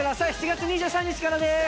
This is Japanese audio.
７月２３日からです。